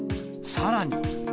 さらに。